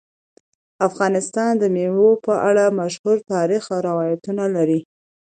افغانستان د مېوې په اړه مشهور تاریخی روایتونه لري.